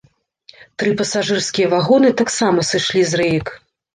Тры пасажырскія вагоны, таксама сышлі з рэек.